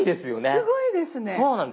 すごいですね。